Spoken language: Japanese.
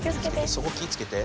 そこ気ぃつけて。